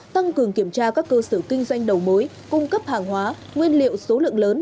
tăng cường kiểm tra các cơ sở kinh doanh đầu mối cung cấp hàng hóa nguyên liệu số lượng lớn